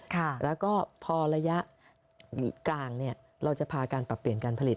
แล้วก็พอระยะกลางเนี่ยเราจะพาการปรับเปลี่ยนการผลิต